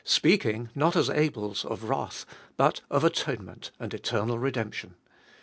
Speaking, not as Abel's, of wrath, but of atonement and eternal redemption.